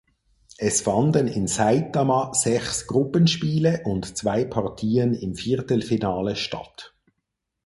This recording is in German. Es fanden in Saitama sechs Gruppenspiele und zwei Partien im Viertelfinale statt.